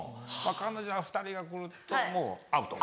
彼女ら２人が来るともうアウト。